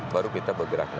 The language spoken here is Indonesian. baru kita bergerak